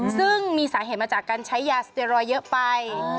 ซึ่งมีสาเหตุมาจากการใช้ยาสเตียรอยด์เยอะไป